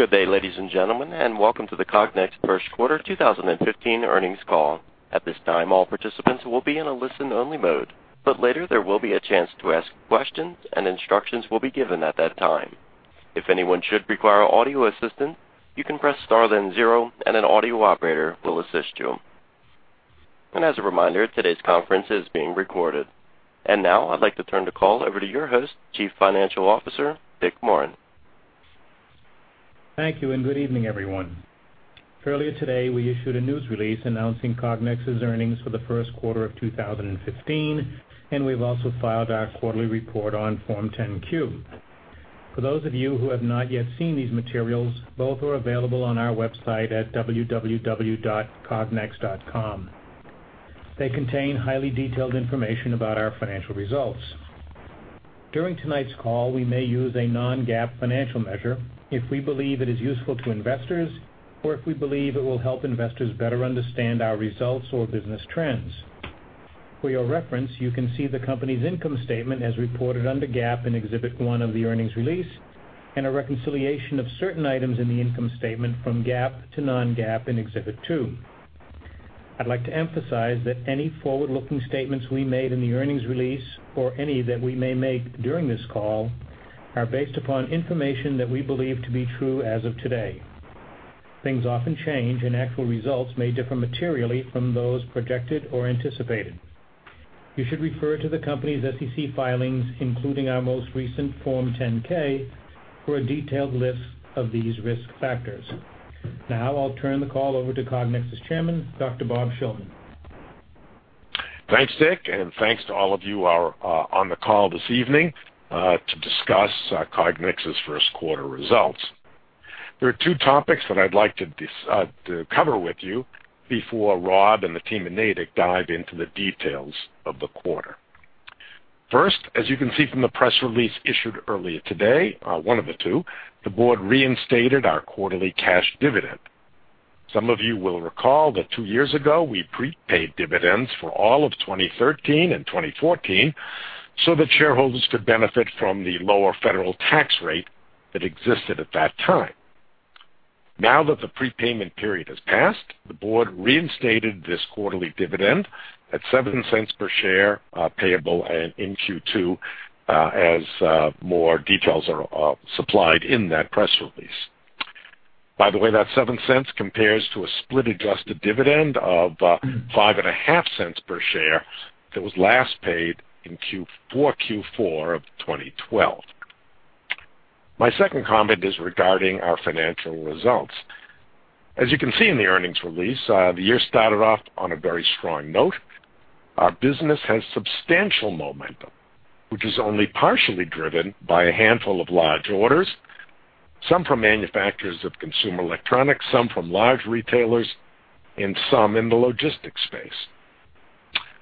Good day, ladies and gentlemen, and welcome to the Cognex First Quarter 2015 earnings call. At this time, all participants will be in a listen-only mode, but later there will be a chance to ask questions, and instructions will be given at that time. If anyone should require audio assistance, you can press star then zero, and an audio operator will assist you. As a reminder, today's conference is being recorded. Now, I'd like to turn the call over to your host, Chief Financial Officer Dick Morin. Thank you, and good evening, everyone. Earlier today, we issued a news release announcing Cognex's earnings for the first quarter of 2015, and we've also filed our quarterly report on Form 10-Q. For those of you who have not yet seen these materials, both are available on our website at www.cognex.com. They contain highly detailed information about our financial results. During tonight's call, we may use a non-GAAP financial measure if we believe it is useful to investors, or if we believe it will help investors better understand our results or business trends. For your reference, you can see the company's income statement as reported under GAAP in Exhibit 1 of the earnings release, and a reconciliation of certain items in the income statement from GAAP to non-GAAP in Exhibit 2. I'd like to emphasize that any forward-looking statements we made in the earnings release, or any that we may make during this call, are based upon information that we believe to be true as of today. Things often change, and actual results may differ materially from those projected or anticipated. You should refer to the company's SEC filings, including our most recent Form 10-K, for a detailed list of these risk factors. Now, I'll turn the call over to Cognex's Chairman, Dr. Bob Shillman. Thanks, Dick, and thanks to all of you who are on the call this evening to discuss Cognex's first quarter results. There are two topics that I'd like to cover with you before Rob and the team at Natick dive into the details of the quarter. First, as you can see from the press release issued earlier today, one of the two, the board reinstated our quarterly cash dividend. Some of you will recall that two years ago, we prepaid dividends for all of 2013 and 2014 so that shareholders could benefit from the lower federal tax rate that existed at that time. Now that the prepayment period has passed, the board reinstated this quarterly dividend at $0.07 per share payable in Q2, as more details are supplied in that press release. By the way, that $0.07 compares to a split-adjusted dividend of $0.055 per share that was last paid in Q4 of 2012. My second comment is regarding our financial results. As you can see in the earnings release, the year started off on a very strong note. Our business has substantial momentum, which is only partially driven by a handful of large orders, some from manufacturers of consumer electronics, some from large retailers, and some in the logistics space.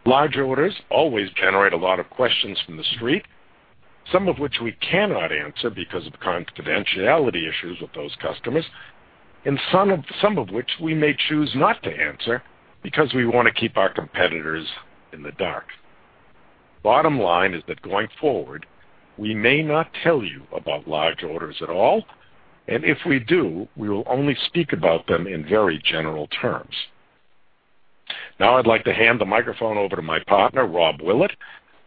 Large orders always generate a lot of questions from the street, some of which we cannot answer because of confidentiality issues with those customers, and some of which we may choose not to answer because we want to keep our competitors in the dark. Bottom line is that going forward, we may not tell you about large orders at all, and if we do, we will only speak about them in very general terms. Now, I'd like to hand the microphone over to my partner, Rob Willett,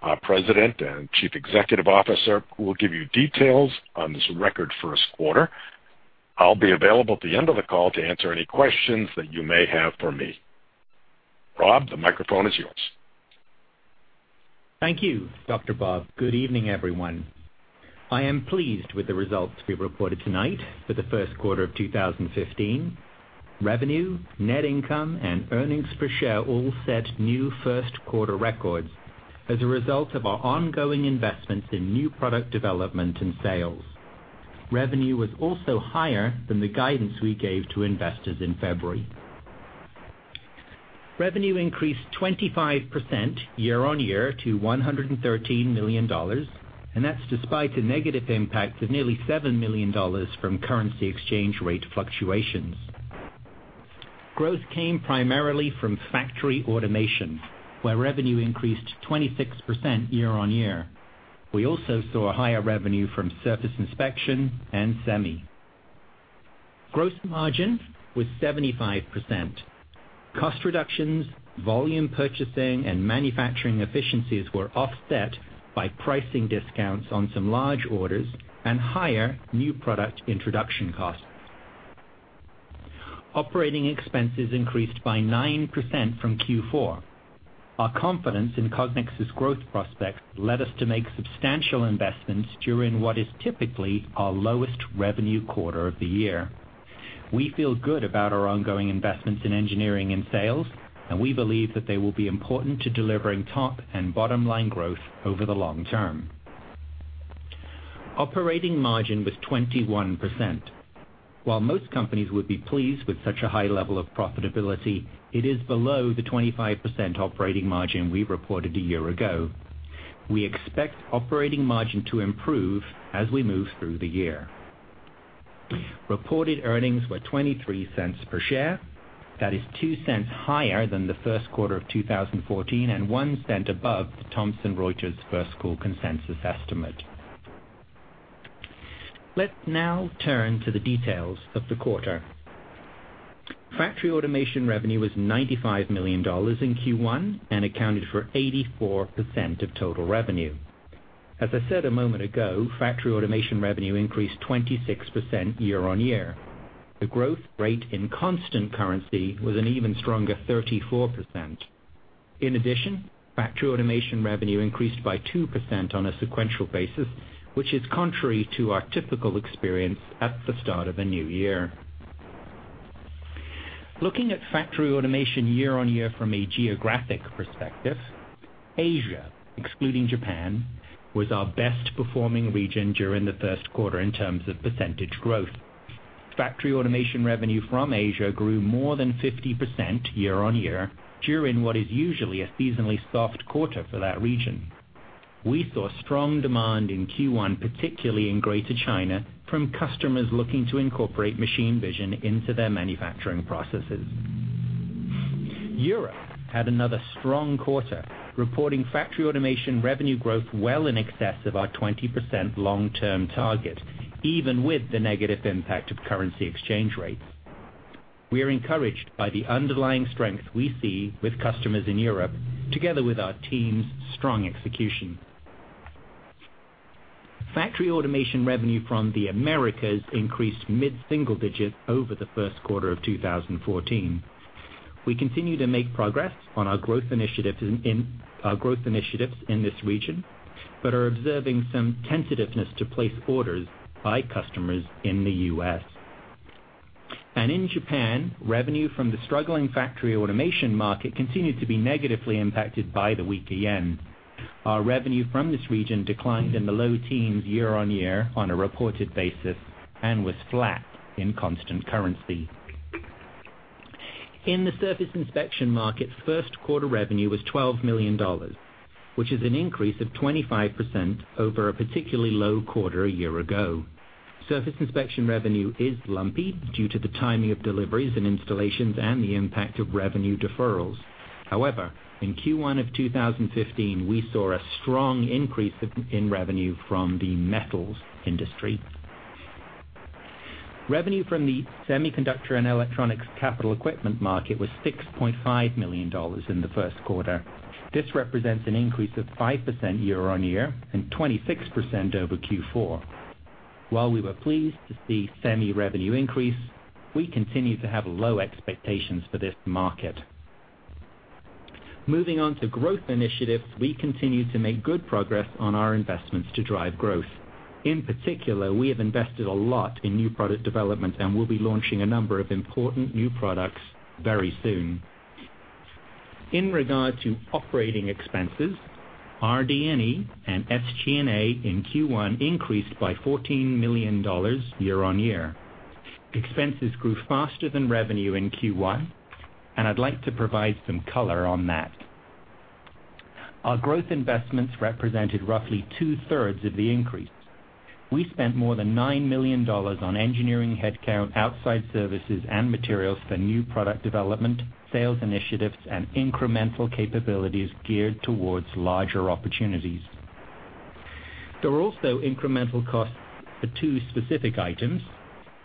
our President and Chief Executive Officer, who will give you details on this record first quarter. I'll be available at the end of the call to answer any questions that you may have for me. Rob, the microphone is yours. Thank you, Dr. Bob. Good evening, everyone. I am pleased with the results we've reported tonight for the first quarter of 2015. Revenue, net income, and earnings per share all set new first quarter records as a result of our ongoing investments in new product development and sales. Revenue was also higher than the guidance we gave to investors in February. Revenue increased 25% year-on-year to $113 million, and that's despite the negative impact of nearly $7 million from currency exchange rate fluctuations. Growth came primarily from factory automation, where revenue increased 26% year-on-year. We also saw higher revenue from surface inspection and semi. Gross margin was 75%. Cost reductions, volume purchasing, and manufacturing efficiencies were offset by pricing discounts on some large orders and higher new product introduction costs. Operating expenses increased by 9% from Q4. Our confidence in Cognex's growth prospects led us to make substantial investments during what is typically our lowest revenue quarter of the year. We feel good about our ongoing investments in engineering and sales, and we believe that they will be important to delivering top and bottom line growth over the long term. Operating margin was 21%. While most companies would be pleased with such a high level of profitability, it is below the 25% operating margin we reported a year ago. We expect operating margin to improve as we move through the year. Reported earnings were $0.23 per share. That is $0.02 higher than the first quarter of 2014 and $0.01 above the Thomson Reuters first quarter consensus estimate. Let's now turn to the details of the quarter. Factory automation revenue was $95 million in Q1 and accounted for 84% of total revenue. As I said a moment ago, factory automation revenue increased 26% year-over-year. The growth rate in constant currency was an even stronger 34%. In addition, factory automation revenue increased by 2% on a sequential basis, which is contrary to our typical experience at the start of a new year. Looking at factory automation year-over-year from a geographic perspective, Asia, excluding Japan, was our best performing region during the first quarter in terms of percentage growth. Factory automation revenue from Asia grew more than 50% year-over-year during what is usually a seasonally soft quarter for that region. We saw strong demand in Q1, particularly in Greater China, from customers looking to incorporate machine vision into their manufacturing processes. Europe had another strong quarter, reporting factory automation revenue growth well in excess of our 20% long-term target, even with the negative impact of currency exchange rates. We're encouraged by the underlying strength we see with customers in Europe, together with our team's strong execution. Factory automation revenue from the Americas increased mid-single digit over the first quarter of 2014. We continue to make progress on our growth initiatives in this region, but are observing some tentativeness to place orders by customers in the U.S. In Japan, revenue from the struggling factory automation market continued to be negatively impacted by the weak yen. Our revenue from this region declined in the low teens year-over-year on a reported basis and was flat in constant currency. In the surface inspection market, first quarter revenue was $12 million, which is an increase of 25% over a particularly low quarter a year ago. Surface inspection revenue is lumpy due to the timing of deliveries and installations and the impact of revenue deferrals. However, in Q1 of 2015, we saw a strong increase in revenue from the metals industry. Revenue from the semiconductor and electronics capital equipment market was $6.5 million in the first quarter. This represents an increase of 5% year-over-year and 26% over Q4. While we were pleased to see Semi revenue increase, we continue to have low expectations for this market. Moving on to growth initiatives, we continue to make good progress on our investments to drive growth. In particular, we have invested a lot in new product development and will be launching a number of important new products very soon. In regard to operating expenses, RD&E and SG&A in Q1 increased by $14 million year-over-year. Expenses grew faster than revenue in Q1, and I'd like to provide some color on that. Our growth investments represented roughly two-thirds of the increase. We spent more than $9 million on engineering headcount, outside services, and materials for new product development, sales initiatives, and incremental capabilities geared towards larger opportunities. There were also incremental costs for two specific items.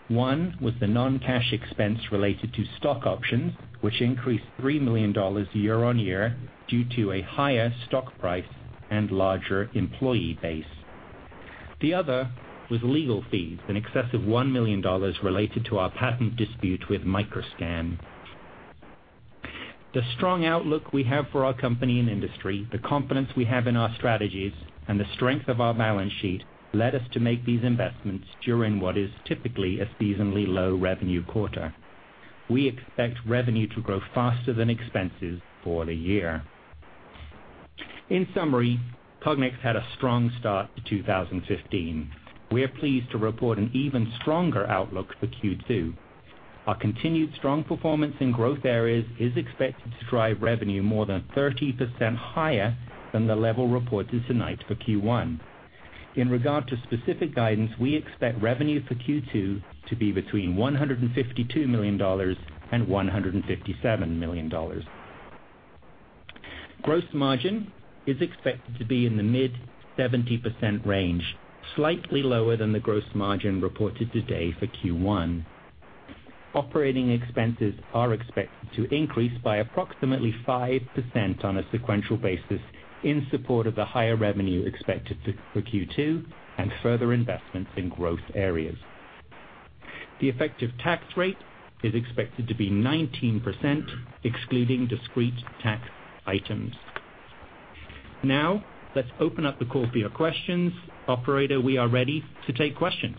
One was the non-cash expense related to stock options, which increased $3 million year-over-year due to a higher stock price and larger employee base. The other was legal fees, an excess of $1 million related to our patent dispute with Microscan. The strong outlook we have for our company and industry, the confidence we have in our strategies, and the strength of our balance sheet led us to make these investments during what is typically a seasonally low revenue quarter. We expect revenue to grow faster than expenses for the year. In summary, Cognex had a strong start to 2015. We're pleased to report an even stronger outlook for Q2. Our continued strong performance in growth areas is expected to drive revenue more than 30% higher than the level reported tonight for Q1. In regard to specific guidance, we expect revenue for Q2 to be between $152 million and $157 million. Gross margin is expected to be in the mid-70% range, slightly lower than the gross margin reported today for Q1. Operating expenses are expected to increase by approximately 5% on a sequential basis in support of the higher revenue expected for Q2 and further investments in growth areas. The effective tax rate is expected to be 19%, excluding discrete tax items. Now, let's open up the call for your questions. Operator, we are ready to take questions.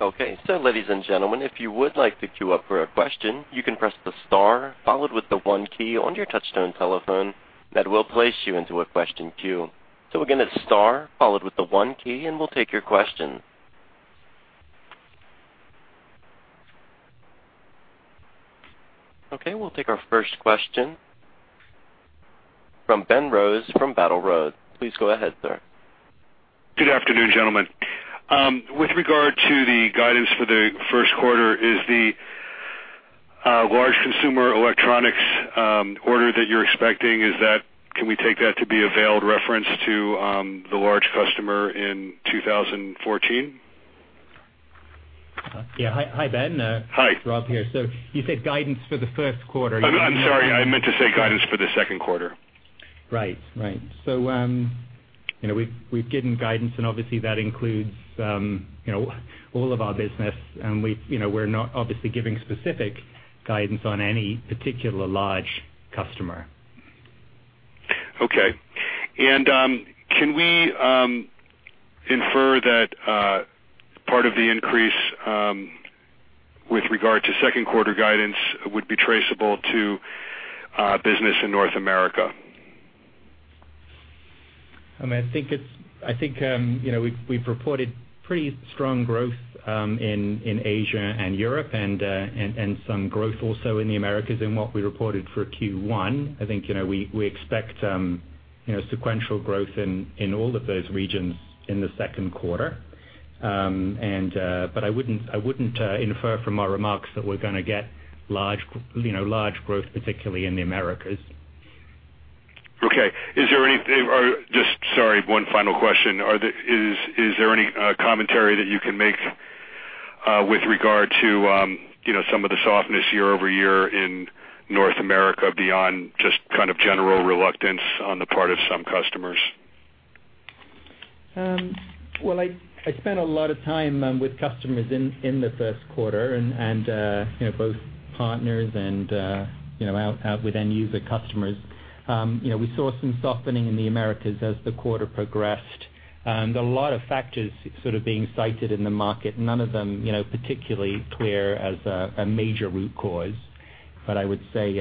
Okay. So, ladies and gentlemen, if you would like to queue up for a question, you can press the star followed with the one key on your touch-tone telephone. That will place you into a question queue. So we're going to hit star followed with the one key, and we'll take your question. Okay. We'll take our first question from Ben Rose from Battle Road. Please go ahead, sir. Good afternoon, gentlemen. With regard to the guidance for the first quarter, is the large consumer electronics order that you're expecting, can we take that to be a veiled reference to the large customer in 2014? Yeah. Hi, Ben. Hi. Rob here. So you said guidance for the first quarter. I'm sorry. I meant to say guidance for the second quarter. Right. Right. So we've given guidance, and obviously, that includes all of our business. And we're not obviously giving specific guidance on any particular large customer. Okay. And can we infer that part of the increase with regard to second quarter guidance would be traceable to business in North America? I mean, I think we've reported pretty strong growth in Asia and Europe and some growth also in the Americas in what we reported for Q1. I think we expect sequential growth in all of those regions in the second quarter. But I wouldn't infer from our remarks that we're going to get large growth, particularly in the Americas. Okay. Is there any, just sorry, one final question. Is there any commentary that you can make with regard to some of the softness year-over-year in North America beyond just kind of general reluctance on the part of some customers? Well, I spent a lot of time with customers in the first quarter, and both partners and with end-user customers. We saw some softening in the Americas as the quarter progressed. There are a lot of factors sort of being cited in the market. None of them particularly clear as a major root cause. But I would say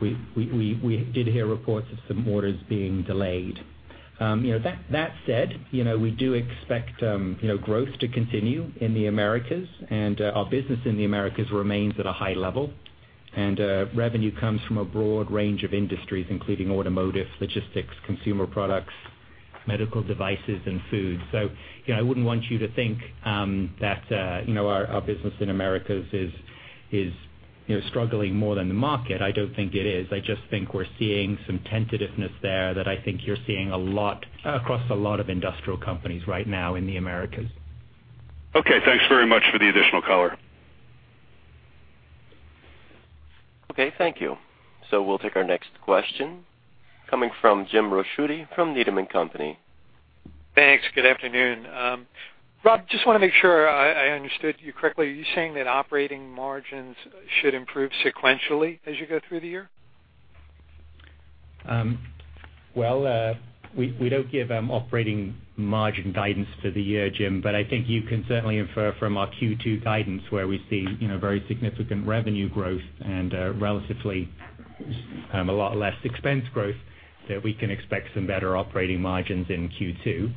we did hear reports of some orders being delayed. That said, we do expect growth to continue in the Americas, and our business in the Americas remains at a high level. Revenue comes from a broad range of industries, including automotive, logistics, consumer products, medical devices, and food. So I wouldn't want you to think that our business in the Americas is struggling more than the market. I don't think it is. I just think we're seeing some tentativeness there that I think you're seeing across a lot of industrial companies right now in the Americas. Okay. Thanks very much for the additional color. Okay. Thank you. So we'll take our next question coming from Jim Ricchiuti from Needham & Company. Thanks. Good afternoon. Rob, just want to make sure I understood you correctly. Are you saying that operating margins should improve sequentially as you go through the year? Well, we don't give operating margin guidance for the year, Jim, but I think you can certainly infer from our Q2 guidance where we see very significant revenue growth and relatively a lot less expense growth that we can expect some better operating margins in Q2.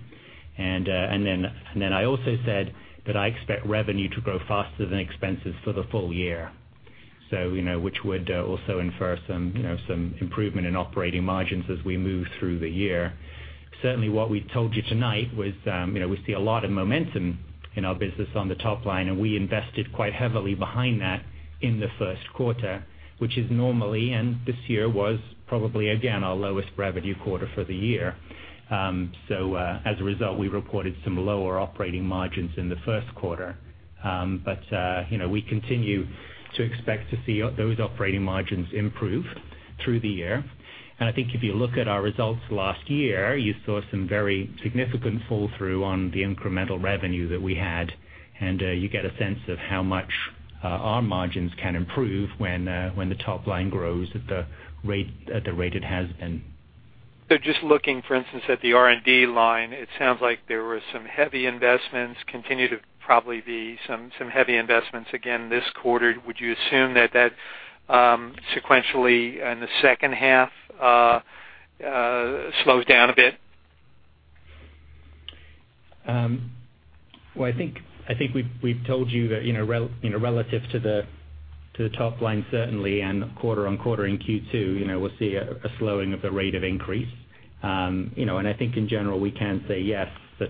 And then I also said that I expect revenue to grow faster than expenses for the full year, which would also infer some improvement in operating margins as we move through the year. Certainly, what we told you tonight was we see a lot of momentum in our business on the top line, and we invested quite heavily behind that in the first quarter, which is normally, and this year was probably, again, our lowest revenue quarter for the year. So as a result, we reported some lower operating margins in the first quarter. But we continue to expect to see those operating margins improve through the year. And I think if you look at our results last year, you saw some very significant fall-through on the incremental revenue that we had. And you get a sense of how much our margins can improve when the top line grows at the rate it has been. So just looking, for instance, at the R&D line, it sounds like there were some heavy investments, continue to probably be some heavy investments again this quarter. Would you assume that that sequentially in the second half slows down a bit? Well, I think we've told you that relative to the top line, certainly, and quarter on quarter in Q2, we'll see a slowing of the rate of increase. And I think in general, we can say yes that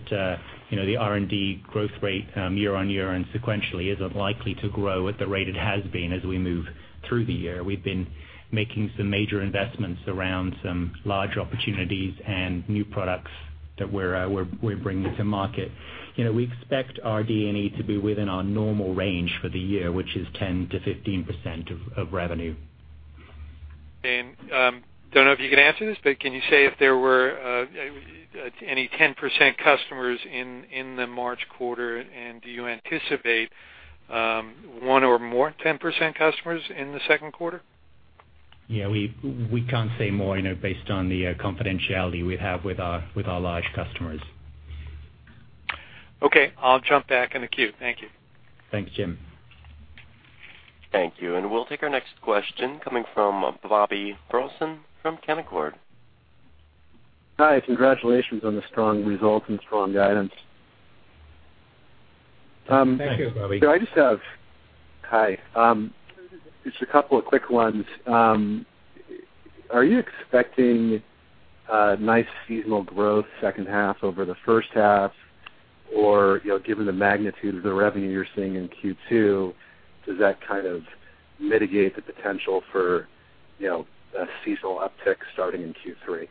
the R&D growth rate year on year and sequentially isn't likely to grow at the rate it has been as we move through the year. We've been making some major investments around some large opportunities and new products that we're bringing to market. We expect RD&E to be within our normal range for the year, which is 10%-15% of revenue. And I don't know if you can answer this, but can you say if there were any 10% customers in the March quarter, and do you anticipate one or more 10% customers in the second quarter? Yeah. We can't say more based on the confidentiality we have with our large customers. Okay. I'll jump back in the queue. Thank you. Thanks, Jim. Thank you. And we'll take our next question coming from Bobby Burleson from Canaccord. Hi. Congratulations on the strong results and strong guidance. Thank you, Bobby. Hi. Just a couple of quick ones. Are you expecting nice seasonal growth second half over the first half? Or given the magnitude of the revenue you're seeing in Q2, does that kind of mitigate the potential for a seasonal uptick starting in Q3?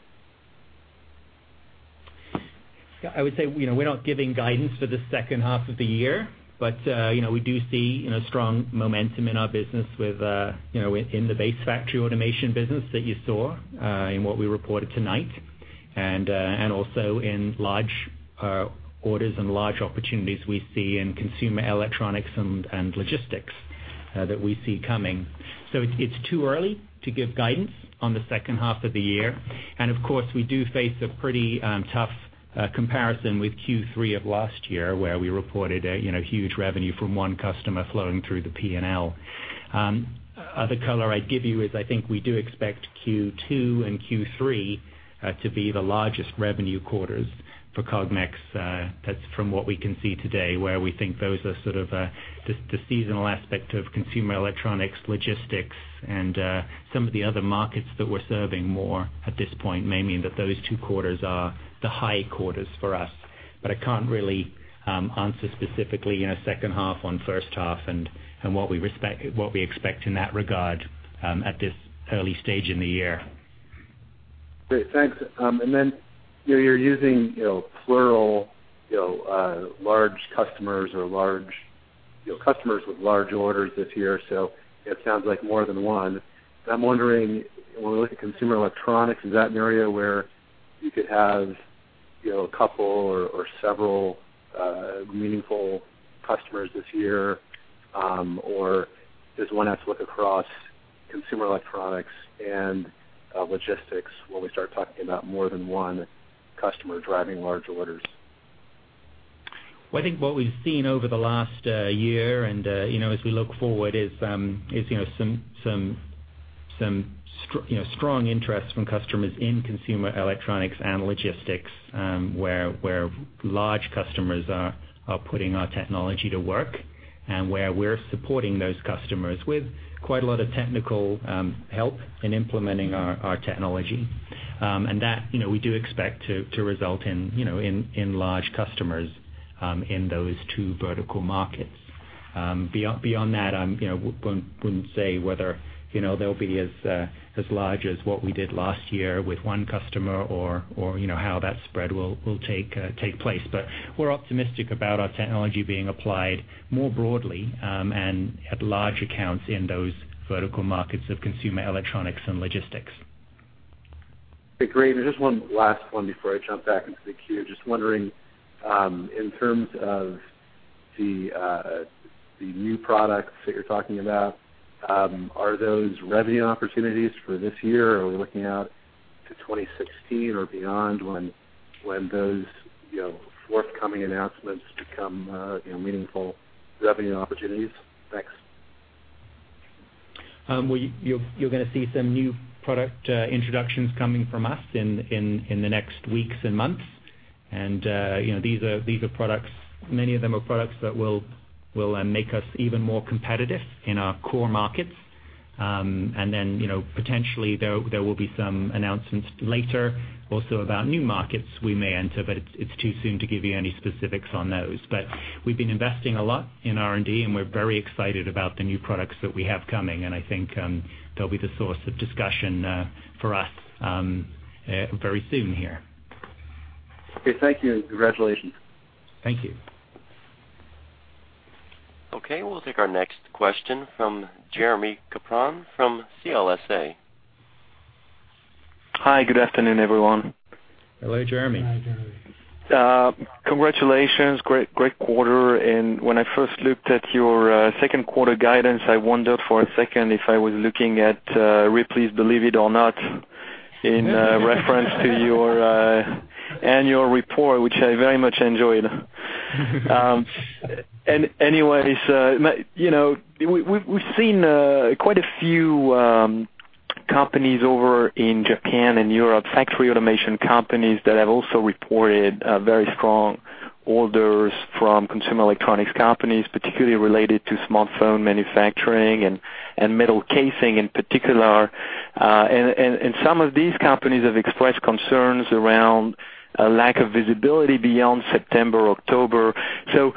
I would say we're not giving guidance for the second half of the year, but we do see strong momentum in our business within the base factory automation business that you saw in what we reported tonight, and also in large orders and large opportunities we see in consumer electronics and logistics that we see coming. So it's too early to give guidance on the second half of the year. And of course, we do face a pretty tough comparison with Q3 of last year where we reported huge revenue from one customer flowing through the P&L. Other color I'd give you is I think we do expect Q2 and Q3 to be the largest revenue quarters for Cognex. That's from what we can see today, where we think those are sort of the seasonal aspect of consumer electronics, logistics, and some of the other markets that we're serving more at this point, may mean that those two quarters are the high quarters for us. But I can't really answer specifically in a second half on first half and what we expect in that regard at this early stage in the year. Great. Thanks. And then you're using plural large customers or large customers with large orders this year. So it sounds like more than one. I'm wondering when we look at consumer electronics, is that an area where you could have a couple or several meaningful customers this year? Or does one have to look across consumer electronics and logistics when we start talking about more than one customer driving large orders? Well, I think what we've seen over the last year and as we look forward is some strong interest from customers in consumer electronics and logistics, where large customers are putting our technology to work and where we're supporting those customers with quite a lot of technical help in implementing our technology. And that we do expect to result in large customers in those two vertical markets. Beyond that, I wouldn't say whether they'll be as large as what we did last year with one customer or how that spread will take place. But we're optimistic about our technology being applied more broadly and at large accounts in those vertical markets of consumer electronics and logistics. Okay. Great. And just one last one before I jump back into the queue. Just wondering in terms of the new products that you're talking about, are those revenue opportunities for this year? Are we looking out to 2016 or beyond when those forthcoming announcements become meaningful revenue opportunities? Thanks. Well, you're going to see some new product introductions coming from us in the next weeks and months. These are products, many of them are products that will make us even more competitive in our core markets. Then, potentially, there will be some announcements later also about new markets we may enter, but it's too soon to give you any specifics on those. We've been investing a lot in R&D, and we're very excited about the new products that we have coming. I think they'll be the source of discussion for us very soon here. Okay. Thank you. Congratulations. Thank you. Okay. We'll take our next question from Jeremie Capron from CLSA. Hi. Good afternoon, everyone. Hello, Jeremy. Hi, Jeremie. Congratulations. Great quarter. And when I first looked at your second quarter guidance, I wondered for a second if I was looking at Ripley's Believe It or Not in reference to your annual report, which I very much enjoyed. Anyways, we've seen quite a few companies over in Japan and Europe, factory automation companies that have also reported very strong orders from consumer electronics companies, particularly related to smartphone manufacturing and metal casing in particular. And some of these companies have expressed concerns around a lack of visibility beyond September, October. So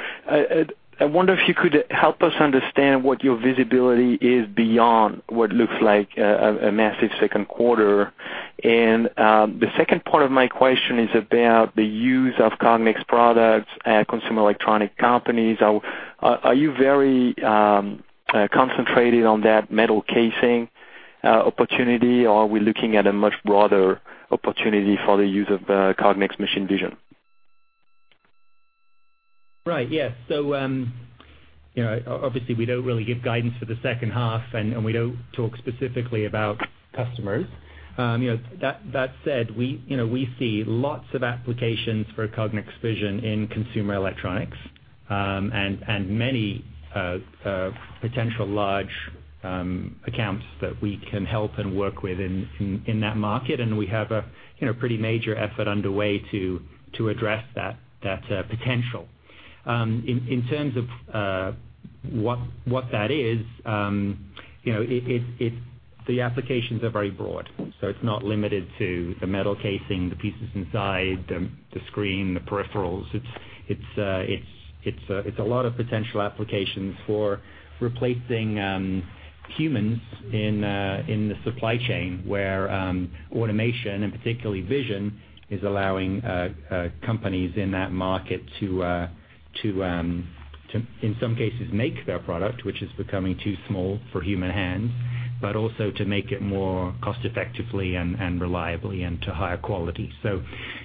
I wonder if you could help us understand what your visibility is beyond what looks like a massive second quarter. And the second part of my question is about the use of Cognex products at consumer electronics companies. Are you very concentrated on that metal casing opportunity, or are we looking at a much broader opportunity for the use of Cognex Machine Vision? Right. Yes. So obviously, we don't really give guidance for the second half, and we don't talk specifically about customers. That said, we see lots of applications for Cognex Vision in consumer electronics and many potential large accounts that we can help and work with in that market. And we have a pretty major effort underway to address that potential. In terms of what that is, the applications are very broad. So it's not limited to the metal casing, the pieces inside, the screen, the peripherals. It's a lot of potential applications for replacing humans in the supply chain where automation, and particularly vision, is allowing companies in that market to, in some cases, make their product, which is becoming too small for human hands, but also to make it more cost-effectively and reliably and to higher quality. So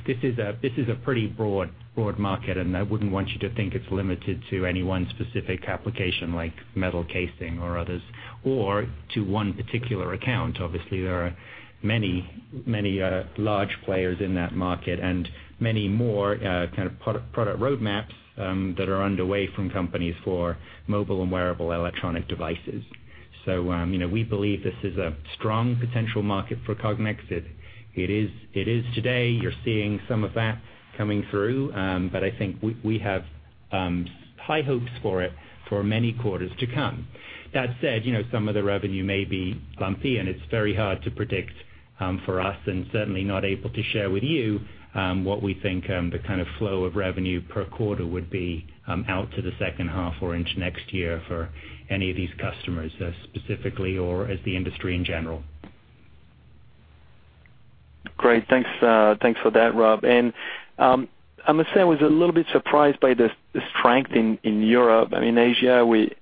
this is a pretty broad market, and I wouldn't want you to think it's limited to any one specific application like metal casing or others or to one particular account. Obviously, there are many large players in that market and many more kind of product roadmaps that are underway from companies for mobile and wearable electronic devices. So we believe this is a strong potential market for Cognex. It is today. You're seeing some of that coming through, but I think we have high hopes for it for many quarters to come. That said, some of the revenue may be lumpy, and it's very hard to predict for us and certainly not able to share with you what we think the kind of flow of revenue per quarter would be out to the second half or into next year for any of these customers specifically or as the industry in general. Great. Thanks for that, Rob. And I must say I was a little bit surprised by the strength in Europe. I mean, Asia, we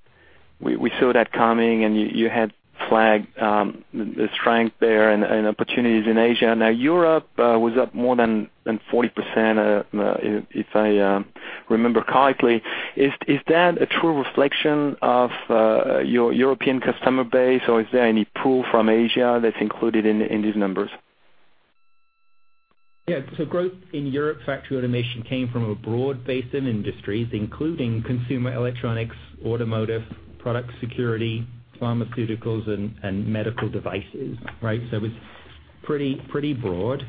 saw that coming, and you had flagged the strength there and opportunities in Asia. Now, Europe was up more than 40%, if I remember correctly. Is that a true reflection of your European customer base, or is there any pool from Asia that's included in these numbers? Yeah. So growth in Europe factory automation came from a broad base of industries, including consumer electronics, automotive, product security, pharmaceuticals, and medical devices, right? So it's pretty broad.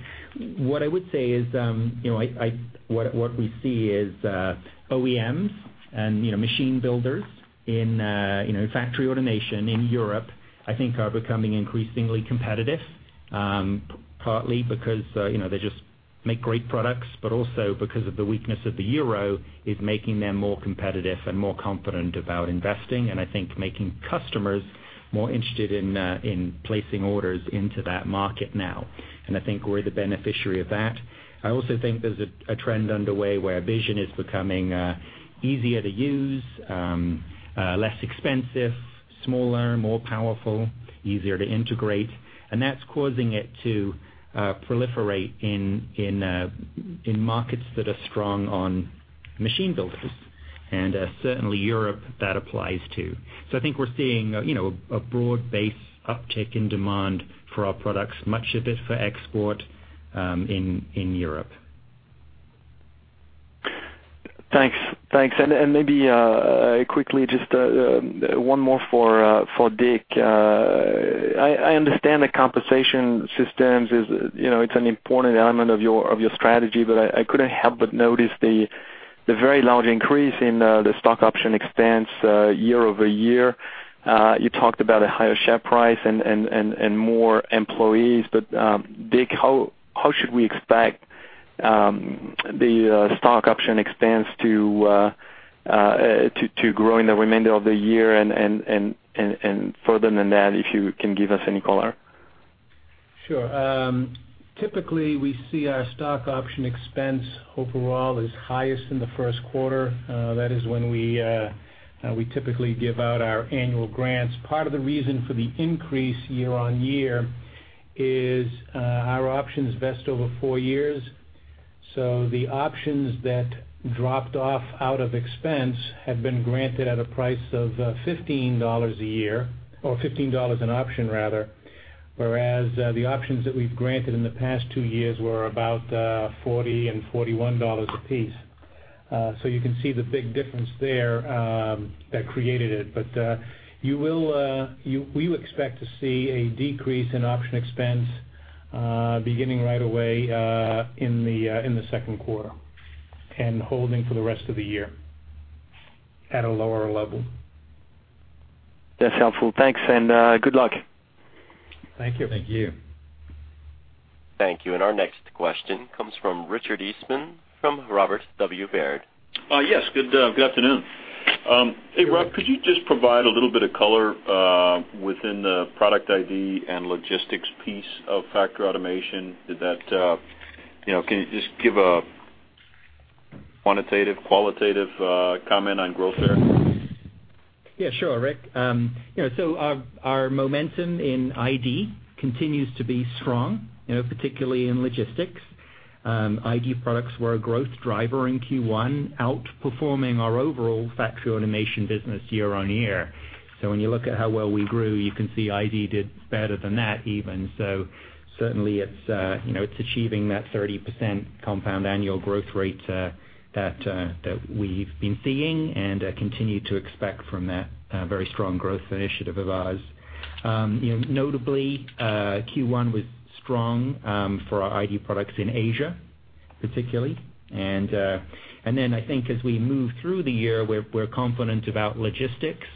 What I would say is what we see is OEMs and machine builders in factory automation in Europe, I think, are becoming increasingly competitive, partly because they just make great products, but also because of the weakness of the euro is making them more competitive and more confident about investing, and I think making customers more interested in placing orders into that market now. And I think we're the beneficiary of that. I also think there's a trend underway where vision is becoming easier to use, less expensive, smaller, more powerful, easier to integrate. And that's causing it to proliferate in markets that are strong on machine builders. And certainly, Europe that applies too. So I think we're seeing a broad-based uptick in demand for our products, much of it for export in Europe. Thanks. Thanks. And maybe quickly, just one more for Dick. I understand that compensation systems, it's an important element of your strategy, but I couldn't help but notice the very large increase in the stock option expense year over year. You talked about a higher share price and more employees. But Dick, how should we expect the stock option expense to grow in the remainder of the year? And further than that, if you can give us any color. Sure. Typically, we see our stock option expense overall is highest in the first quarter. That is when we typically give out our annual grants. Part of the reason for the increase year-on-year is our options vest over 4 years. So the options that dropped off out of expense have been granted at a price of $15 a share or $15 an option, rather, whereas the options that we've granted in the past 2 years were about $40 and $41 a piece. So you can see the big difference there that created it. But we expect to see a decrease in option expense beginning right away in the second quarter and holding for the rest of the year at a lower level. That's helpful. Thanks. Good luck. Thank you. Thank you. Thank you. Our next question comes from Richard Eastman from Robert W. Baird. Yes. Good afternoon. Hey, Rob, could you just provide a little bit of color within the product ID and logistics piece of factory automation? Can you just give a quantitative, qualitative comment on growth there? Yeah. Sure, Rick. So our momentum in ID continues to be strong, particularly in logistics. ID products were a growth driver in Q1, outperforming our overall factory automation business year on year. So when you look at how well we grew, you can see ID did better than that even. So certainly, it's achieving that 30% compound annual growth rate that we've been seeing and continue to expect from that very strong growth initiative of ours. Notably, Q1 was strong for our ID products in Asia, particularly. And then I think as we move through the year, we're confident about logistics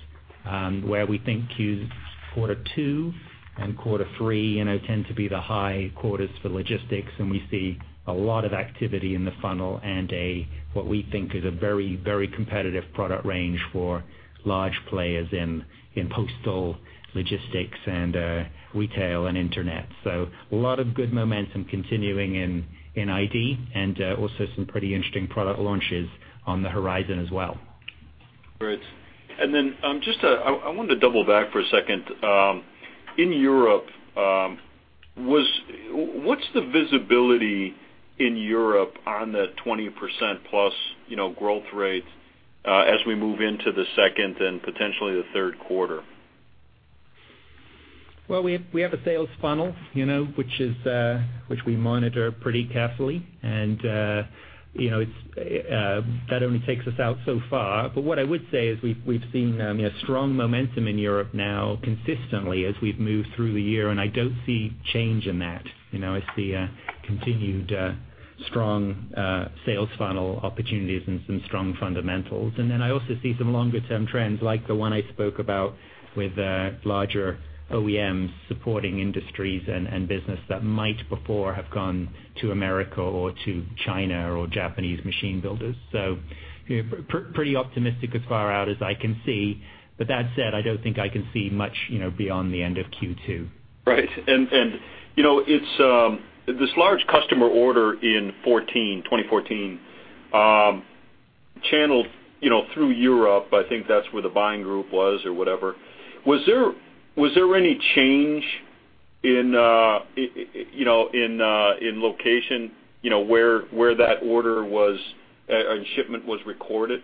where we think Q2 and Q3 tend to be the high quarters for logistics, and we see a lot of activity in the funnel and what we think is a very, very competitive product range for large players in postal logistics and retail and internet. A lot of good momentum continuing in ID and also some pretty interesting product launches on the horizon as well. Great. And then just I want to double back for a second. In Europe, what's the visibility in Europe on the 20%+ growth rate as we move into the second and potentially the third quarter? Well, we have a sales funnel, which we monitor pretty carefully. That only takes us out so far. What I would say is we've seen strong momentum in Europe now consistently as we've moved through the year, and I don't see change in that. I see continued strong sales funnel opportunities and some strong fundamentals. Then I also see some longer-term trends like the one I spoke about with larger OEMs, supporting industries and business that might before have gone to America or to China or Japanese machine builders. Pretty optimistic as far out as I can see. That said, I don't think I can see much beyond the end of Q2. Right. And this large customer order in 2014 channeled through Europe. I think that's where the buying group was or whatever. Was there any change in location where that order and shipment was recorded?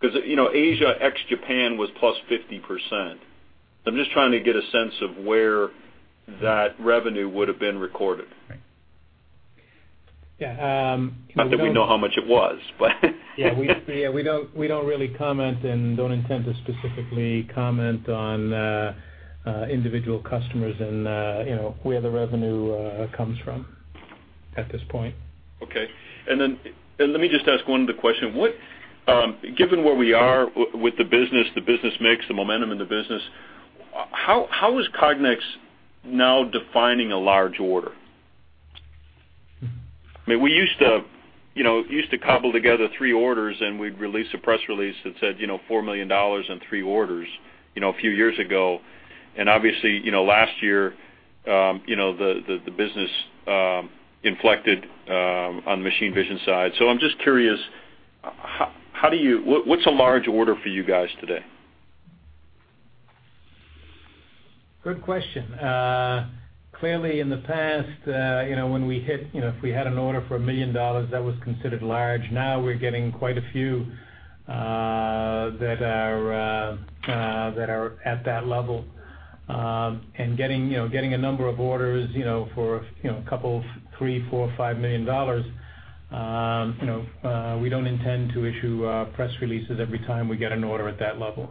Because Asia ex-Japan was +50%. I'm just trying to get a sense of where that revenue would have been recorded. Yeah. Not that we know how much it was, but. Yeah. We don't really comment and don't intend to specifically comment on individual customers and where the revenue comes from at this point. Okay. And then let me just ask one other question. Given where we are with the business, the business mix, the momentum in the business, how is Cognex now defining a large order? I mean, we used to cobble together three orders, and we'd release a press release that said $4 million in three orders a few years ago. And obviously, last year, the business inflected on the machine vision side. So I'm just curious, what's a large order for you guys today? Good question. Clearly, in the past, when we had an order for $1 million, that was considered large. Now we're getting quite a few that are at that level. And getting a number of orders for a couple of $3 million, $4 million, $5 million, we don't intend to issue press releases every time we get an order at that level.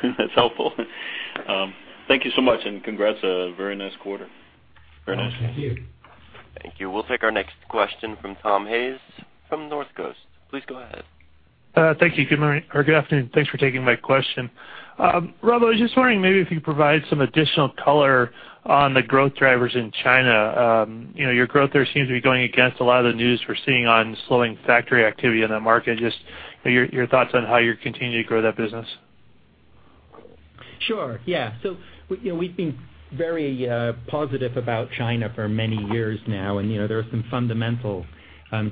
Good. Okay. That's helpful. Thank you so much, and congrats. A very nice quarter. Very nice. Thank you. Thank you. We'll take our next question from Tom Hayes from Northcoast. Please go ahead. Thank you. Good afternoon. Thanks for taking my question. Rob, I was just wondering maybe if you could provide some additional color on the growth drivers in China. Your growth there seems to be going against a lot of the news we're seeing on slowing factory activity in that market. Just your thoughts on how you're continuing to grow that business. Sure. Yeah. So we've been very positive about China for many years now, and there are some fundamental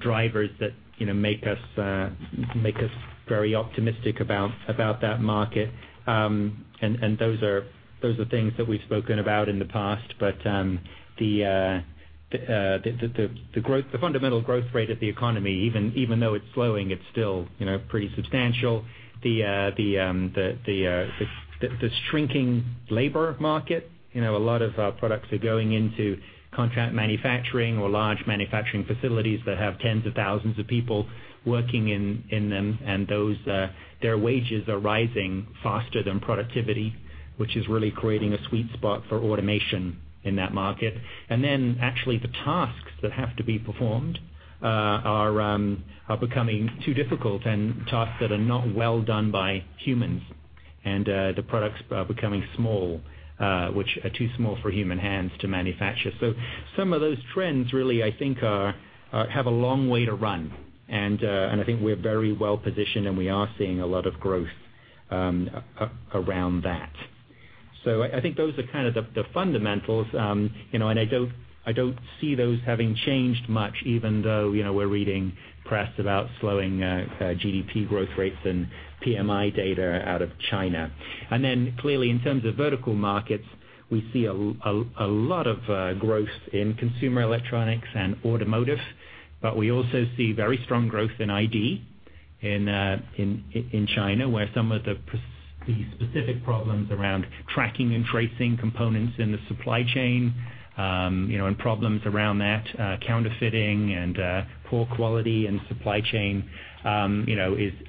drivers that make us very optimistic about that market. And those are things that we've spoken about in the past. But the fundamental growth rate of the economy, even though it's slowing, it's still pretty substantial. The shrinking labor market. A lot of products are going into contract manufacturing or large manufacturing facilities that have tens of thousands of people working in them, and their wages are rising faster than productivity, which is really creating a sweet spot for automation in that market. And then actually, the tasks that have to be performed are becoming too difficult and tasks that are not well done by humans. And the products are becoming small, which are too small for human hands to manufacture. So some of those trends really, I think, have a long way to run. And I think we're very well positioned, and we are seeing a lot of growth around that. So I think those are kind of the fundamentals. And I don't see those having changed much, even though we're reading press about slowing GDP growth rates and PMI data out of China. And then clearly, in terms of vertical markets, we see a lot of growth in consumer electronics and automotive, but we also see very strong growth in ID in China, where some of the specific problems around tracking and tracing components in the supply chain and problems around that counterfeiting and poor quality in supply chain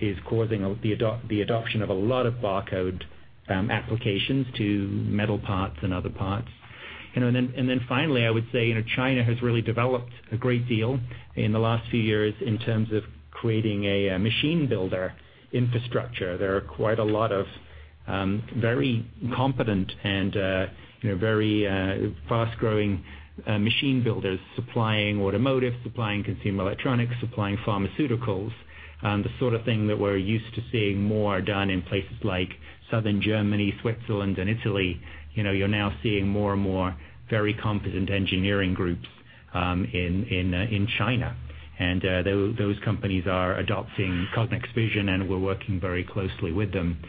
is causing the adoption of a lot of barcode applications to metal parts and other parts. And then finally, I would say China has really developed a great deal in the last few years in terms of creating a machine builder infrastructure. There are quite a lot of very competent and very fast-growing machine builders supplying automotive, supplying consumer electronics, supplying pharmaceuticals, the sort of thing that we're used to seeing more done in places like Southern Germany, Switzerland, and Italy. You're now seeing more and more very competent engineering groups in China. And those companies are adopting Cognex's vision, and we're working very closely with them.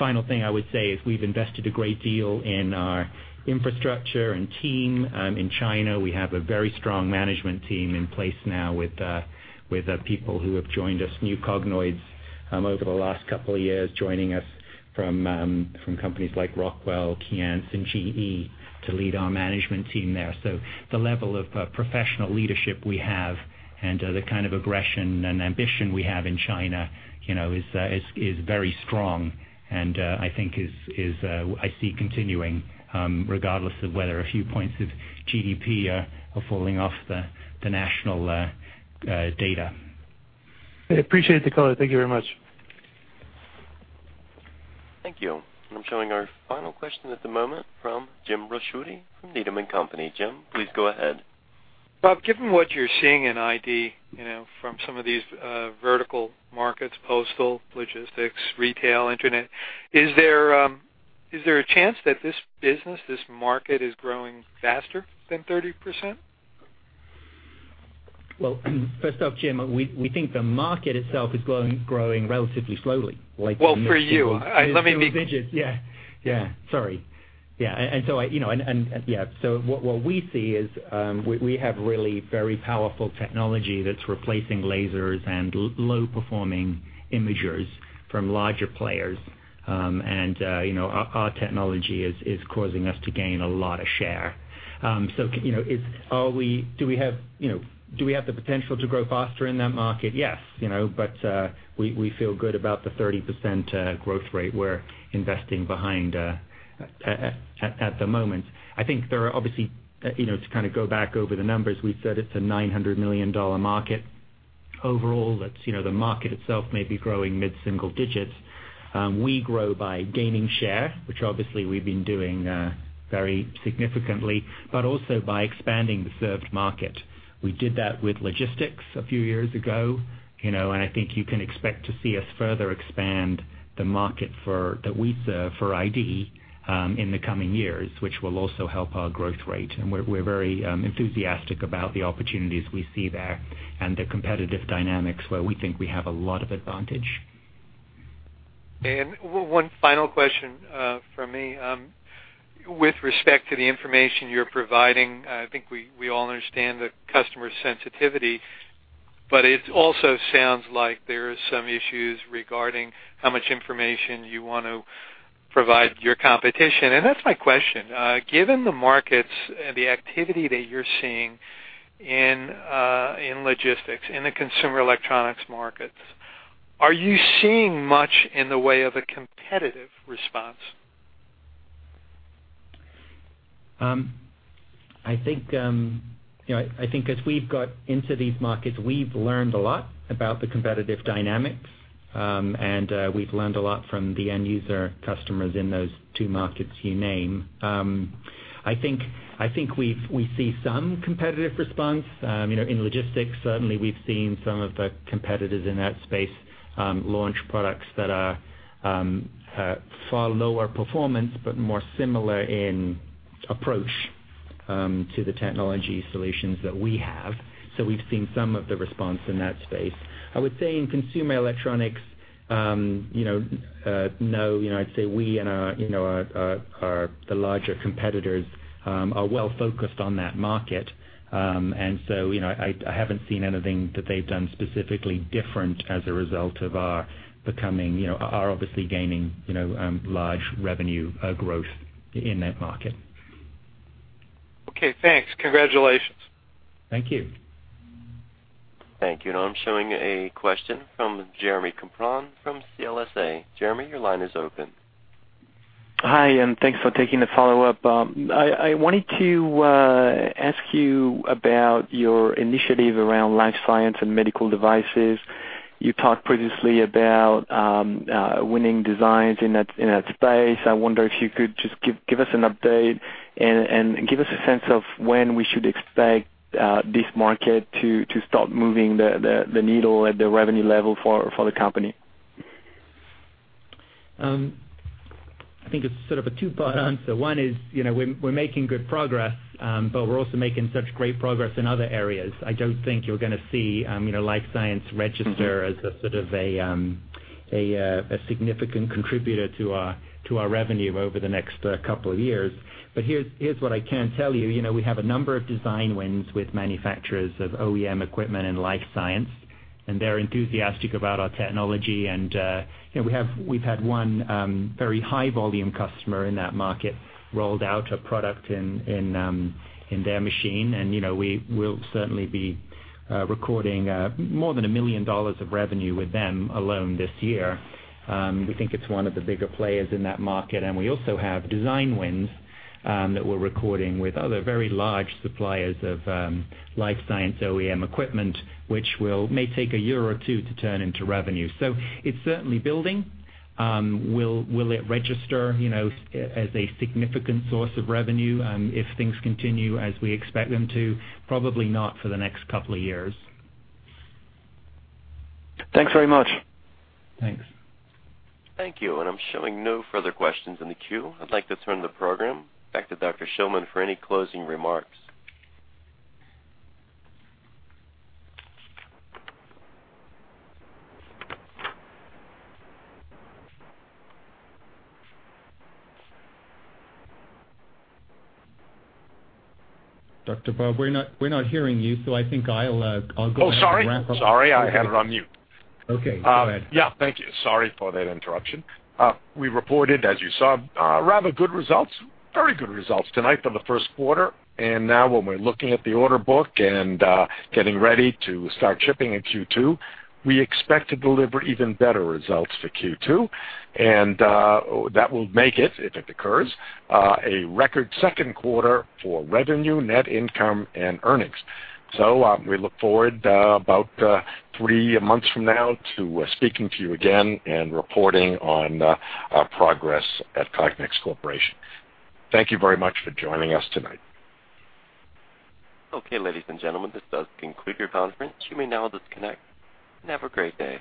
Final thing I would say is we've invested a great deal in our infrastructure and team in China. We have a very strong management team in place now with people who have joined us, new Cognoids over the last couple of years, joining us from companies like Rockwell, Keyence, and GE to lead our management team there. The level of professional leadership we have and the kind of aggression and ambition we have in China is very strong and I think I see continuing regardless of whether a few points of GDP are falling off the national data. I appreciate the color. Thank you very much. Thank you. And I'm showing our final question at the moment from Jim Ricchiuti from Needham & Company. Jim, please go ahead. Rob, given what you're seeing in ID from some of these vertical markets, postal, logistics, retail, internet, is there a chance that this business, this market, is growing faster than 30%? Well, first off, Jim, we think the market itself is growing relatively slowly. Well, for you. Let me be. Two digits. Yeah. Yeah. Sorry. Yeah. And so yeah. So what we see is we have really very powerful technology that's replacing lasers and low-performing imagers from larger players. And our technology is causing us to gain a lot of share. So do we have the potential to grow faster in that market? Yes. But we feel good about the 30% growth rate we're investing behind at the moment. I think there are obviously to kind of go back over the numbers, we said it's a $900 million market overall. The market itself may be growing mid-single digits. We grow by gaining share, which obviously we've been doing very significantly, but also by expanding the served market. We did that with logistics a few years ago. I think you can expect to see us further expand the market that we serve for ID in the coming years, which will also help our growth rate. We're very enthusiastic about the opportunities we see there and the competitive dynamics where we think we have a lot of advantage. One final question from me. With respect to the information you're providing, I think we all understand the customer sensitivity, but it also sounds like there are some issues regarding how much information you want to provide your competition. That's my question. Given the markets and the activity that you're seeing in logistics, in the consumer electronics markets, are you seeing much in the way of a competitive response? I think as we've got into these markets, we've learned a lot about the competitive dynamics, and we've learned a lot from the end-user customers in those two markets you name. I think we see some competitive response. In logistics, certainly, we've seen some of the competitors in that space launch products that are far lower performance but more similar in approach to the technology solutions that we have. So we've seen some of the response in that space. I would say in consumer electronics, no. I'd say we and the larger competitors are well focused on that market. And so I haven't seen anything that they've done specifically different as a result of our becoming our obviously gaining large revenue growth in that market. Okay. Thanks. Congratulations. Thank you. Thank you. And I'm showing a question from Jeremie Capron from CLSA. Jeremy, your line is open. Hi. Thanks for taking the follow-up. I wanted to ask you about your initiative around life science and medical devices. You talked previously about winning designs in that space. I wonder if you could just give us an update and give us a sense of when we should expect this market to start moving the needle at the revenue level for the company. I think it's sort of a two-part answer. One is we're making good progress, but we're also making such great progress in other areas. I don't think you're going to see life science register as a sort of a significant contributor to our revenue over the next couple of years. But here's what I can tell you. We have a number of design wins with manufacturers of OEM equipment and life science, and they're enthusiastic about our technology. And we've had one very high-volume customer in that market rolled out a product in their machine. And we'll certainly be recording more than $1 million of revenue with them alone this year. We think it's one of the bigger players in that market. We also have design wins that we're recording with other very large suppliers of life science OEM equipment, which may take a year or two to turn into revenue. It's certainly building. Will it register as a significant source of revenue if things continue as we expect them to? Probably not for the next couple of years. Thanks very much. Thanks. Thank you. I'm showing no further questions in the queue. I'd like to turn the program back to Dr. Shillman for any closing remarks. Dr. Bob, we're not hearing you, so I think I'll go ahead and wrap up. Oh, sorry. Sorry. I had it on mute. Okay. Go ahead. Yeah. Thank you. Sorry for that interruption. We reported, as you saw, rather good results, very good results tonight for the first quarter. And now when we're looking at the order book and getting ready to start shipping in Q2, we expect to deliver even better results for Q2. And that will make it, if it occurs, a record second quarter for revenue, net income, and earnings. So we look forward about three months from now to speaking to you again and reporting on our progress at Cognex Corporation. Thank you very much for joining us tonight. Okay. Ladies and gentlemen, this does conclude your conference. You may now disconnect. Have a great day.